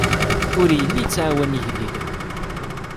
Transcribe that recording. Ur yelli yettɛawan igellilen.